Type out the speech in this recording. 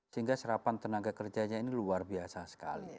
sehingga serapan tenaga kerjanya ini luar biasa sekali